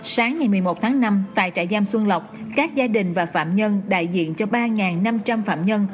sáng ngày một mươi một tháng năm tại trại giam xuân lọc các gia đình và phạm nhân đại diện cho ba năm trăm linh phạm nhân